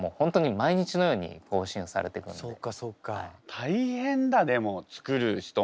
大変だでも作る人も。